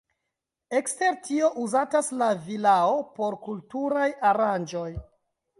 Ekster tio uzatas la vilao por kulturaj aranĝoj.